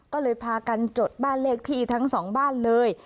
ก็เลยพากันจดบ้านเลขที่ทั้งสองบ้านเลย